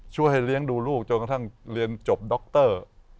ช่วยให้เลี้ยงดูลูกจนกระทั่งเรียนจบดร